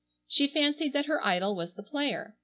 She fancied that her idol was the player.